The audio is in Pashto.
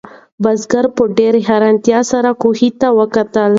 بزګر په ډېرې حیرانتیا سره کوهي ته وکتل.